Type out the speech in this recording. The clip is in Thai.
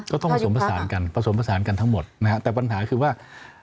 ผสมผสานกันผสมผสานกันทั้งหมดนะฮะแต่ปัญหาคือว่า